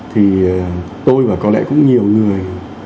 thì tôi và có lẽ cũng nhiều người